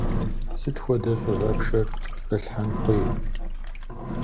Сыт хуэдэ щӏыгъэпшэр хэлъхьэн хуей?